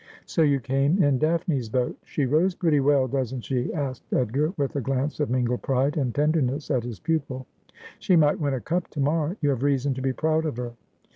' So you came in Daphne's boat. She rows pretty well, doesn't she ?' asked Edgar, with a glance of mingled pride and tenderness at his pupil. ' She might win a cup to morrow. You have reason to be proud of her.'